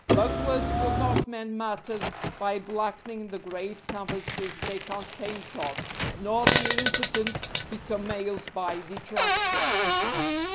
Bunglers will not mend matters by blackening the great canvases they can't paint on, nor the impotent become males by detraction.